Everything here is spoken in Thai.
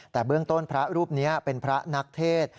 แต่เบื้องต้นพระรูปนี้เป็นพระนักเทศ